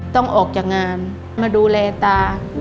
ต้องออกจากงานมาดูแลตา